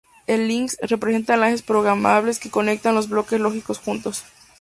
El "linx" representa enlaces programables que conectan los bloques lógicos juntos".